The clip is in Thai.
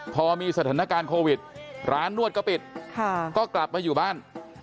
พอมีสถานการณ์โควิดร้านนวดก็ปิดก็กลับมาอยู่บ้าน